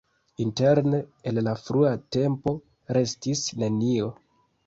Interne el la frua tempo restis nenio.